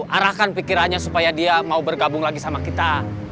arahkan pikirannya supaya dia mau bergabung lagi sama kita